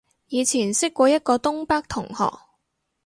以前識過一個東北同學